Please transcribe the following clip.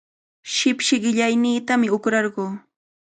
Shipshi qillayniitami uqrarquu.